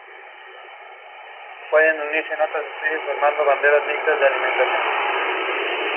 Arthur lamentó profundamente la muerte de su esposa.